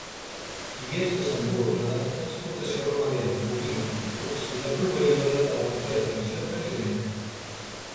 Hi és desenvolupada l'explotació ramadera, bovina i porcina, proveïdora de la propera regió parisenca.